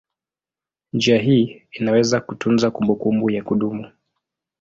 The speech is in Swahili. Njia hii inaweza kutunza kumbukumbu ya kudumu.